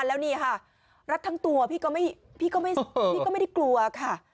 แล้วนี่ค่ะรัดทั้งตัวพี่ก็ไม่ได้กลัวค่ะ